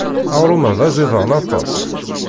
Aɣrum-a d aẓidan aṭas.